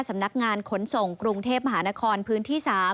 สำนักงานขนส่งกรุงเทพมหานครพื้นที่๓